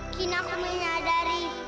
kini aku menyadari